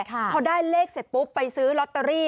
พอได้เลขเสร็จปุ๊บไปซื้อลอตเตอรี่